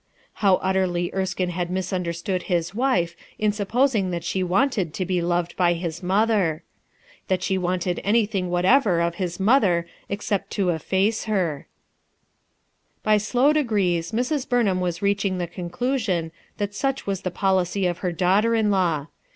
How utterly Ei>kineh&d misunrler s tood his wife in supposing that fche wanted to be loved by his mother I that the wanted any thing whatever of hb toother except to efface hen 146 UUTII ERSKINE'S SOX By slow degrees Mrs. Burnham was rcacliing the conclusion that such was the policy of her daughter in law.